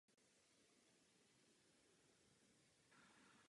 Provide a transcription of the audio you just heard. Proto je velmi důležité, aby byl rámcový program přijat nyní.